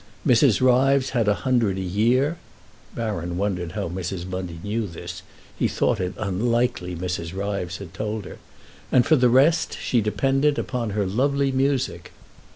Mrs. Ryves had a hundred a year (Baron wondered how Mrs. Bundy knew this; he thought it unlikely Mrs. Ryves had told her), and for the rest she depended on her lovely music.